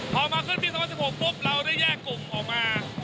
พอมาขึ้นปี๒๐๑๖ปุ๊บเราได้แยกกลุ่มออกมา